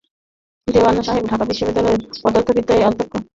দেওয়ান সাহেব ঢাকা বিশ্ববিদ্যালয়ের পদার্থবিদ্যার অধ্যাপক।